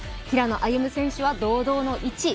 平野歩夢選手は堂々の１位。